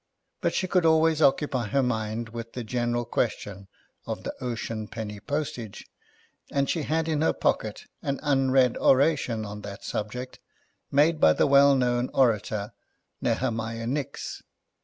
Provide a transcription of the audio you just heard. But, she could always occupy her mind with the general question of the Ocean Penny Postage, and she had in her pocket an unread Oration on that subject, made by the well known Orator, Nehemiiih Nicks.